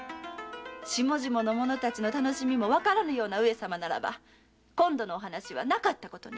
下々の者の楽しみもわからぬような上様ならば今度のお話はなかったことに。